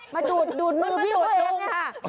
มาดูดมือพี่หลวง